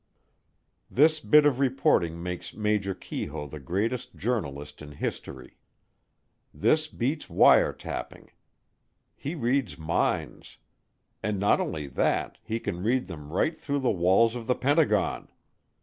This bit of reporting makes Major Keyhoe the greatest journalist in history. This beats wire tapping. He reads minds. And not only that, he can read them right through the walls of the Pentagon.